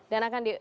dan akan di